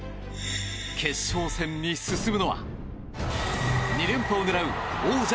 決勝戦に進むのは２連覇を狙う王者